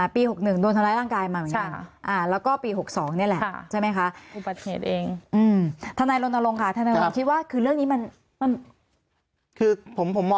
ปี๖๑โดนทำร้ายร่างกายมาเหมือนกัน